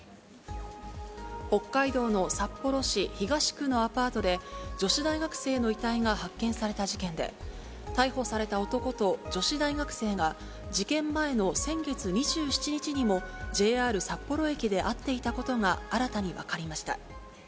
北海道の札幌市東区のアパートで、女子大学生の遺体が発見された事件で、逮捕された男と女子大学生が、事件前の先月２７日にも、ＪＲ札幌駅で会っていたことが新たに分かりました。